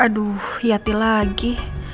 aduh yati lagi